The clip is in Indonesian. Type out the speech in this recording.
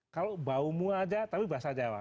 kalau baumu aja tapi bahasa jawa